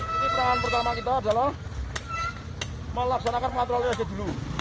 jadi peranan pertama kita adalah melaksanakan maturale aja dulu